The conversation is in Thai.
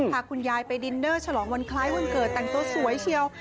พาคุณยายไปดินเนอร์ฉลองวันคล้ายวันเกิดแต่งตัวสวยเชียว